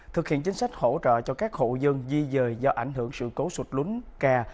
thực hiện chính sách hỗ trợ cho các hộ dân di dời do ảnh hưởng sự cố sụt lún ca